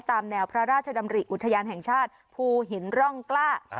ตามแนวพระราชดำริอุทยานแห่งชาติภูหินร่องกล้า